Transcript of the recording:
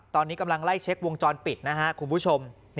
ตอนนี้กำลังไล่เช็ควงจรปิดนะฮะคุณผู้ชม